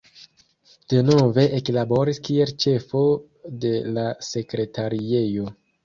Denove eklaboris kiel ĉefo de la sekretariejo.